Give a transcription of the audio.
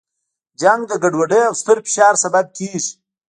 جنګ د ګډوډۍ او ستر فشار سبب کیږي.